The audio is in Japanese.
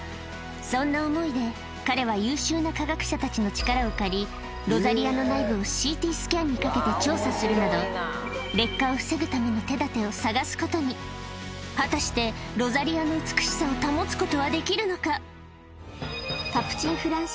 そんな思いで彼は優秀な科学者たちの力を借りロザリアの内部をＣＴスキャンにかけて調査するなど果たしてロザリアの美しさを保つことはできるのか？